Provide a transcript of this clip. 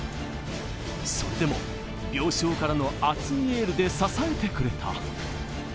それでも病床からの熱いエールで支えてくれた。